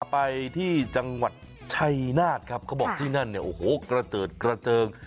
ไปที่จังหวัดชัยนาธครับเขาบอกที่นั่นเนี่ยโอ้โหกระเจิดกระเจิง